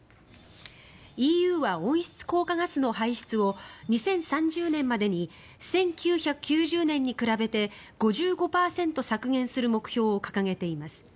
ＥＵは温室効果ガスの排出を２０３０年までに１９９０年に比べて５５％削減する目標を掲げています。